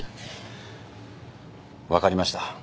わかりました。